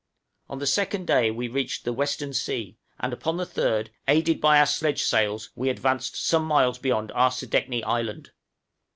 On the second day we reached the western sea, and upon the third, aided by our sledge sails, we advanced some miles beyond Arcedeckne Island.